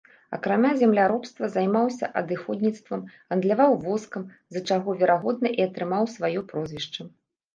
Акрамя земляробства займаўся адыходніцтвам, гандляваў воскам, з-за чаго, верагодна, і атрымаў сваё прозвішча.